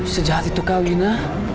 sejahat itu kau wina